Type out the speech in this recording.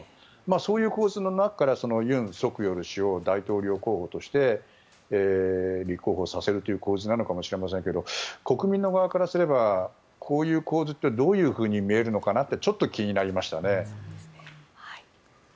そういう構図の中からそのユン・ソクヨル氏を大統領候補として立候補させるという構図なのかもしれませんが国民の側からすればこういう構図ってどういうふうに見えるのかなってちょっと気になりましたね。